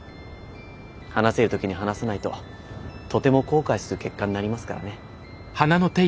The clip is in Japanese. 話せる時に話さないととても後悔する結果になりますからね。